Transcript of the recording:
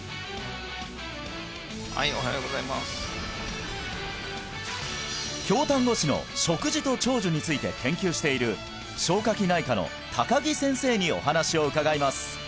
はいおはようございます京丹後市の食事と長寿について研究している消化器内科の木先生にお話を伺います